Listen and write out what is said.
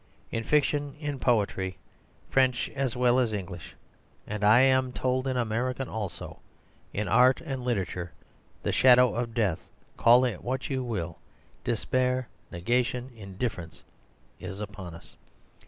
In fiction, in poetry, French as well as English, and I am told in American also, in art and literature, the shadow of death, call it what you will, despair, negation, indifference, is upon us.